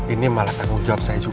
ini malah tanggung jawab saya juga